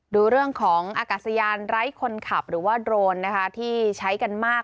ดูเรื่องของอากาศยานไร้คนขับหรือว่าโดรนนะคะที่ใช้กันมาก